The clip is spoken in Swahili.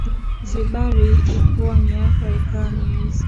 zibari ikuwa miaka ikawa miezi